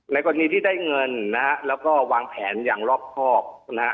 ในตอนนี้ที่ได้เงินแล้วก็วางแผนอย่างรอบครอบ